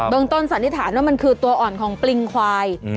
ต้นสันนิษฐานว่ามันคือตัวอ่อนของปริงควาย